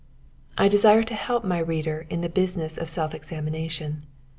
I desire to help my reader in the business of self examination.